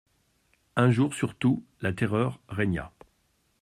Un jour surtout, la terreur régna.